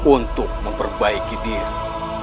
untuk memperbaiki diri